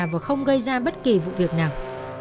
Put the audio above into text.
và không gây ra bất kỳ vụ việc nào